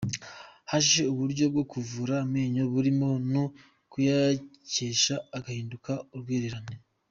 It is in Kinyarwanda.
Haje uburyo bwo kuvura amenyo burimo no kuyacyesha agahinduka urwererane.